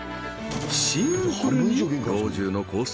シンプルに老中のコース